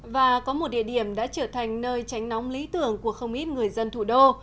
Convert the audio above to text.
và có một địa điểm đã trở thành nơi tránh nóng lý tưởng của không ít người dân thủ đô